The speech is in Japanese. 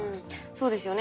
そうですね。